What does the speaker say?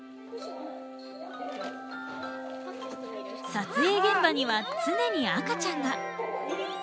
撮影現場には常に赤ちゃんが。